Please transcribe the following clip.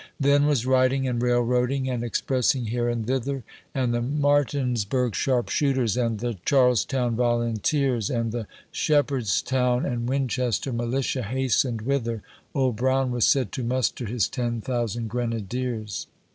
Then was riding and railroading and expressing here and thither ! And the Martinsburg Sharpshooters, and the Charles town Volunteers, And the Sjiepherdstown and Winchester Militia hastened whither Old Brown was said to muster his ten thousand grenadiers!